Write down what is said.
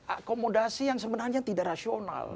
akomodasi yang sebenarnya tidak rasional